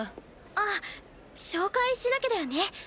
あっ紹介しなきゃだよね。